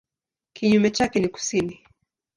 Kinyume chake ni kusini.